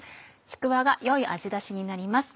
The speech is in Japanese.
ちくわが良い味出しになります。